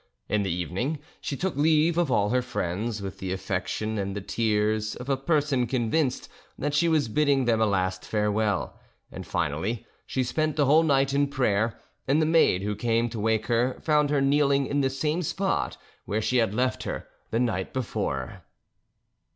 In the evening, she took leave of all her friends with the affection and the tears of a person convinced that she was bidding them a last farewell; and finally she spent the whole night in prayer, and the maid who came to wake her found her kneeling in the same spot where she, had left her the night before.